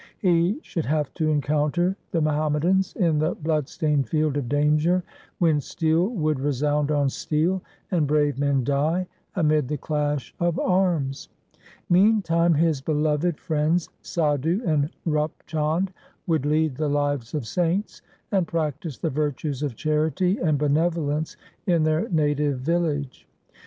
He should have to encounter the Muhammadans in the blood stained field of danger, when steel would resound on steel and brave men die amid the clash of arms. Meantime his beloved friends Sadhu and Rup Chand would lead the lives of saints, and practise the virtues of charity and benevolence in their native village.